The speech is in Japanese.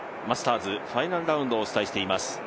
マスターズ、ファイナルラウンドをお伝えしています。